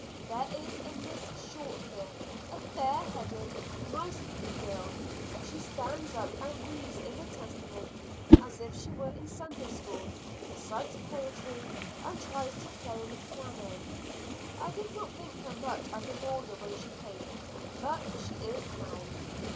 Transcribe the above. There is a Miss Short here a fair haired, nice looking girl; she stands up and reads in the Testament as if she were in Sunday school, recites poetry, and tries to play on the piano. I did not think her much out of order when she came, but she is now.